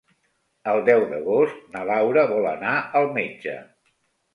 El deu d'agost na Laura vol anar al metge.